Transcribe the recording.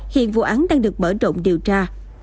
hiện vụ án đang được mở rộng điều tra